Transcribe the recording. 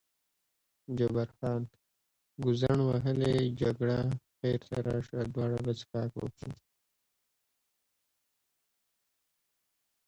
جبار خان: ګوزڼ وهلې جګړه، خیر ته راشه دواړه به څښاک وکړو.